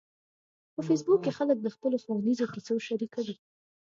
په فېسبوک کې خلک د خپلو ښوونیزو کیسو شریکوي